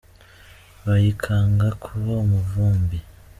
Bayikanga kuba umuvumbi.